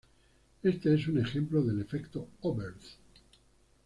Este es un ejemplo del Efecto Oberth.